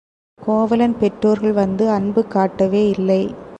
கோவலன் பெற்றோர்கள் வந்து அன்பு காட்டவே இல்லை.